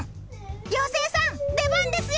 妖精さん出番ですよ！